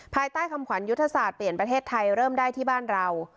ภายใต้คำขวัญยุทธศาสตร์เปลี่ยนประเทศไทยเริ่มได้ที่บ้านเรา